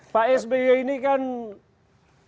pak sby ini kan tidak semua